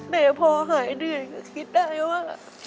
แต่พอหายเหนื่อยก็คิดได้ว่า